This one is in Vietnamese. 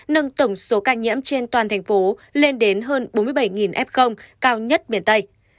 nâng tổng số ca nhiễm trên toàn thành phố lên đến hơn bốn mươi bảy f cao nhất miền tây